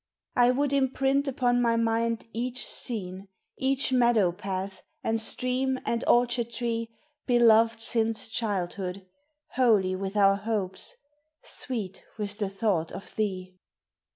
I would imprint upon my mind each scene, Each meadow path, and stream, and orchard tree, Beloved since childhood, holy with our hopes, Sweet with the thoughts of thee.